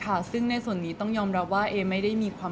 เพราะว่าสิ่งเหล่านี้มันเป็นสิ่งที่ไม่มีพยาน